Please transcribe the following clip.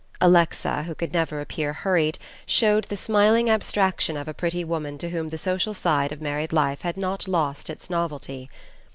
Alexa, who could never appear hurried, showed the smiling abstraction of a pretty woman to whom the social side of married life has not lost its novelty.